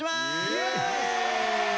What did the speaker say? イエーイ！